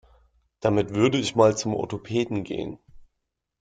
Damit würde ich mal zum Orthopäden gehen.